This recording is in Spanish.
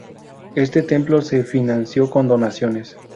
Este templo se financió con donaciones.